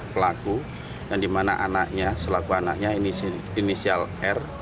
pelaku yang dimana anaknya selaku anaknya ini inisial air